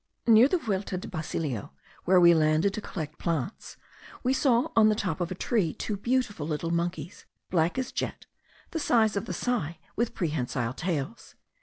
Near the Vuelta de Basilio, where we landed to collect plants, we saw on the top of a tree two beautiful little monkeys, black as jet, of the size of the sai, with prehensile tails.